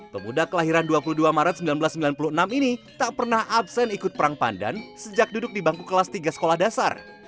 pemuda kelahiran dua puluh dua maret seribu sembilan ratus sembilan puluh enam ini tak pernah absen ikut perang pandan sejak duduk di bangku kelas tiga sekolah dasar